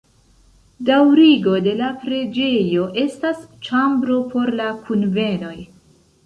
Daŭrigo de la preĝejo estas ĉambro por la kunvenoj.